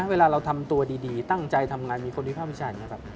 เวลาเราทำตัวดีตั้งใจทำงานมีคนวิภาพวิชาอย่างนี้ครับ